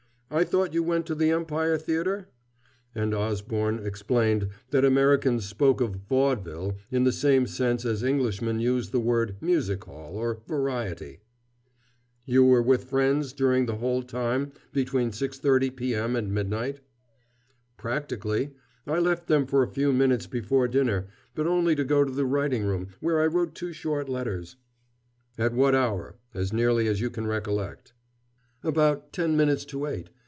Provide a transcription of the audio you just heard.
"I thought you went to the Empire Theater?" and Osborne explained that Americans spoke of "vaudeville" in the same sense as Englishmen use the word "music hall" or "variety." "You were with your friends during the whole time between 6.30 p.m. and midnight?" "Practically. I left them for a few minutes before dinner, but only to go to the writing room, where I wrote two short letters." "At what hour, as nearly as you can recollect?" "About ten minutes to eight.